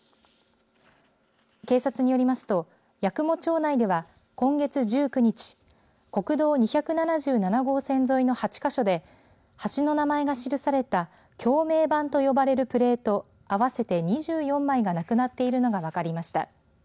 警察によりますと八雲町内では今月１９日国道２７７号線沿いの８か所で橋の名前が記された橋名板と呼ばれるプレート合わせて２４枚がなくなっているのが分かりました。